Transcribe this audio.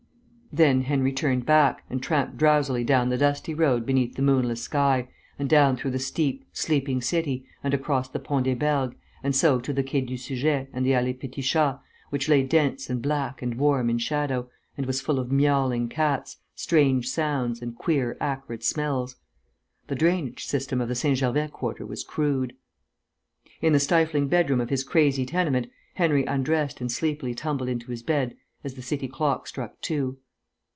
Then Henry turned back, and tramped drowsily down the dusty road beneath the moonless sky, and down through the steep, sleeping city, and across the Pont des Bergues, and so to the Quai du Seujet and the Allée Petit Chat, which lay dense and black and warm in shadow, and was full of miawling cats, strange sounds, and queer acrid smells. The drainage system of the St. Gervais quarter was crude. In the stifling bedroom of his crazy tenement, Henry undressed and sleepily tumbled into bed as the city clock struck two.